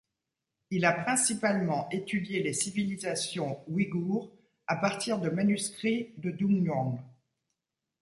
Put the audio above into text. Il a principalement étudié les civilisations ouïgoures à partir de manuscrits de Dunhuang.